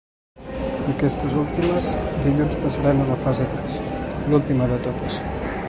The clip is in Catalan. Aquestes últimes dilluns passaran a la fase tres, l’última de totes.